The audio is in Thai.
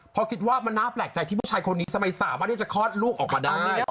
เพราะคิดว่ามันน่าแปลกใจที่ผู้ชายคนนี้ทำไมสามารถที่จะคลอดลูกออกมาได้